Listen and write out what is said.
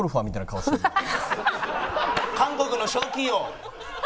韓国の賞金王。